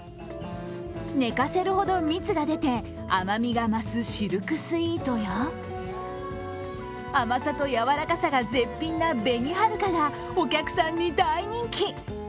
寝かせるほど蜜が出て、甘みが増すシルクスイートや甘さと柔らかさが絶品な紅はるかがお客さんに大人気。